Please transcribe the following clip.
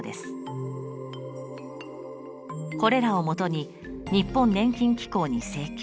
これらをもとに日本年金機構に請求。